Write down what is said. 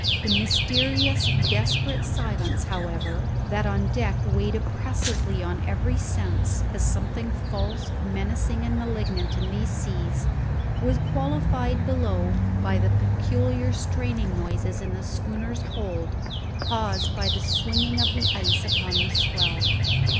The mysterious desperate silence, however, that on deck weighed oppressively on every sense, as something false, menacing, and malignant in these seas, was qualified below by the peculiar straining noises in the schooner's hold caused by the swinging of the ice upon the swell.